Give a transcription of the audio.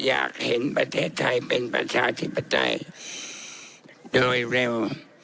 อยากเห็นประเทศไทยเป็นประชาธิปไตยโดยเร็ว